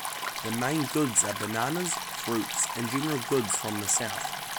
The main goods are bananas, fruits and general goods from the south.